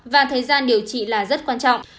và thời gian điều trị là rất quan trọng